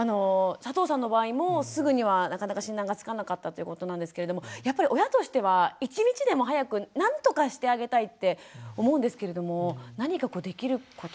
佐藤さんの場合もすぐにはなかなか診断がつかなかったということなんですけれどもやっぱり親としては一日でも早くなんとかしてあげたいって思うんですけれども何かできることってあるんですか？